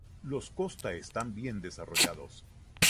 Los costa están bien desarrollados.